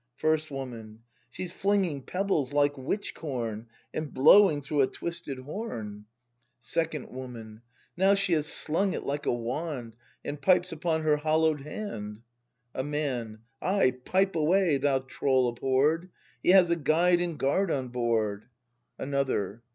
First Woman. She's flinging pebbles like witch corn, And blowing through a twisted horn. ACT II] BRAND 71 Second Woman. Now she has slung it like a wand, And pipes upon her hollow'd hand. A Man. Ay, pipe away, thou troll ahhorr'd! He has a Guide and Guard on board ! Another.